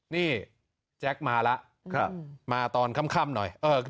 นี่แจ็คมาแล้ว